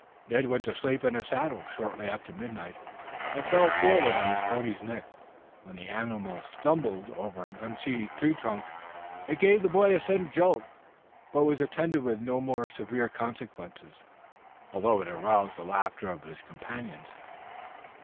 Ned went to sleep in his saddle shortly after midnight and fell forward on his pony's neck when the animal stumbled over an unseen tree trunk. It gave the boy a sudden jolt, but was attended with no more severe consequences, although it aroused the laughter of his companions.